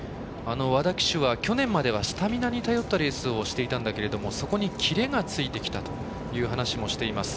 和田騎手は、去年まではスタミナに頼ったレースをしていたんですがそこにキレがついてきたという話をしています。